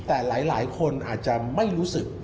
แต่หลายคนอาจจะไม่รู้สึก